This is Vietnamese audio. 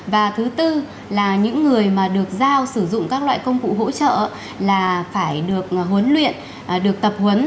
và thứ tư những người được giao sử dụng các loại công cụ hỗ trợ phải được huấn luyện được tập huấn